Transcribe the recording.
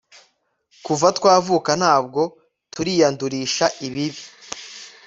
kuva twavuka ntabwo turiyandurisha ibibi